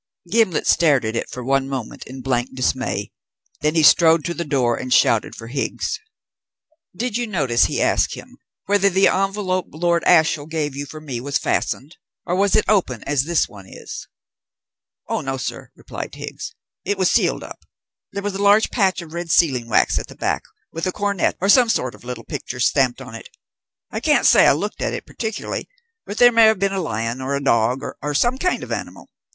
Gimblet stared at it for one moment in blank dismay. Then he strode to the door and shouted for Higgs. "Did you notice," he asked him, "whether the envelope Lord Ashiel gave you for me was fastened, or was it open as this one is?" "Oh no, sir," replied Higgs, "it was sealed up. There was a large patch of red sealing wax at the back, with a coronet and some sort of little picture stamped on it. I can't say I looked at it particularly, but there may have been a lion or a dog, or some kind of animal.